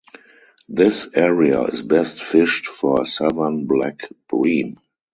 This area is best fished for Southern Black Bream.